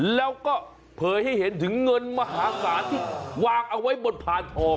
แล้วก็เผยให้เห็นถึงเงินมหาศาลที่วางเอาไว้บนพานทอง